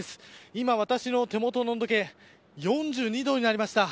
今、私の手元の温度計４２度になりました。